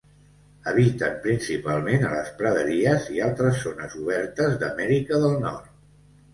Habiten principalment a les praderies i altres zones obertes d'Amèrica del Nord.